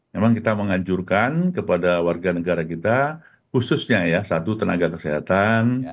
memang kita menganjurkan kepada warga negara kita khususnya ya satu tenaga kesehatan